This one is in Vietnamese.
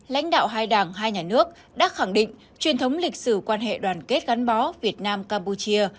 lãnh đạo hai đảng hai nhà nước đã khẳng định truyền thống lịch sử quan hệ đoàn kết gắn bó việt nam campuchia